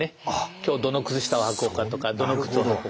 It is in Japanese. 今日どの靴下をはこうかとかどの靴を履こうかとか。